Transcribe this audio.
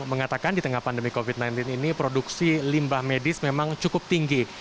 mengatakan di tengah pandemi covid sembilan belas ini produksi limbah medis memang cukup tinggi